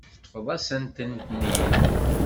Teṭṭfeḍ-asent-ten-id.